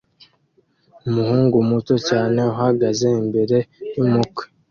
Umuhungu muto cyane uhagaze imbere yumukwe